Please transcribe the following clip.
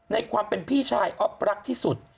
ในความเป็นพี่ชายอ๊อฟรักที่สุด